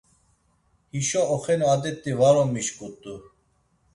Hişo oxenu adet̆i var on mişǩut̆u.